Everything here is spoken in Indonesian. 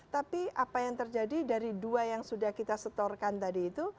tapi apa yang terjadi dari dua yang sudah kita setorkan tadi itu